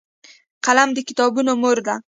قلم د کتابونو مور دی